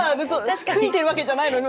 ふいてるわけじゃないのに。